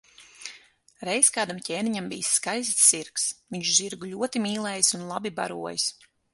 Reiz kādam ķēniņam bijis skaists zirgs, viņš zirgu ļoti mīlējis un labi barojis.